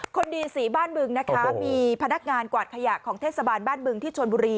คนดีสีบ้านบึงนะคะมีพนักงานกวาดขยะของเทศบาลบ้านบึงที่ชนบุรี